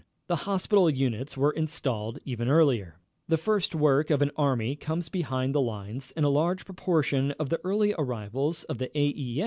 The hospital units were installed even earlier. The first work of an army comes behind the lines and a large proportion of the early arrivals of the A. E.